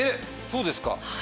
そうですか。